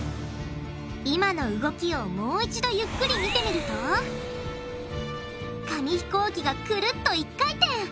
今の動きをもう一度ゆっくり見てみると紙ひこうきがくるっと１回転！